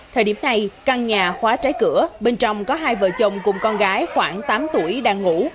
thời điểm này căn nhà khóa trái cửa bên trong có hai vợ chồng cùng con gái khoảng tám tuổi đang ngủ